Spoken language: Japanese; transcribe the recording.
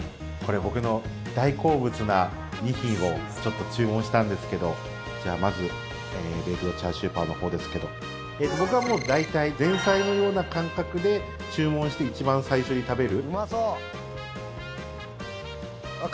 僕の大好物な２品を注文したんですけどじゃあ、まずベイクドチャーシューバオのほうですけれども僕はもう大体前菜のような感覚で注文して一番最初に食べる。